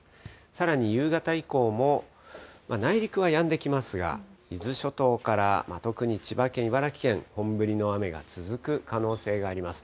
さらに夕方以降も、内陸はやんできますが、伊豆諸島から特に千葉県、茨城県、本降りの雨が続く可能性があります。